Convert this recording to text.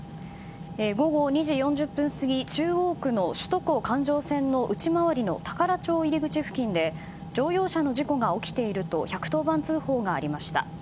午後２時４０分過ぎ中央区の首都高環状線の内回りの宝町入り口付近で乗用車の事故が起きていると１１０番通報がありました。